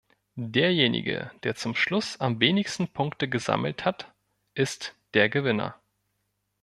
Derjenige, der zum Schluss am wenigsten Punkte gesammelt hat, ist der Gewinner.